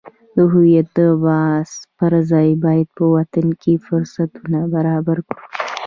د هویت د بحث پرځای باید په وطن کې فرصتونه برابر کړو.